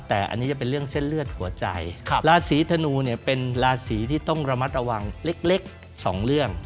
แต่อันนี้จะเป็นเรื่องเส้นเลือดหัวใจราศีธนูเนี่ยเป็นราศีที่ต้องระมัดระวังเล็กสองเรื่อง